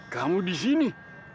kamu di sini